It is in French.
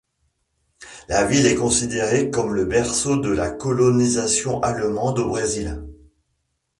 La ville est considérée comme le berceau de la colonisation allemande au Brésil.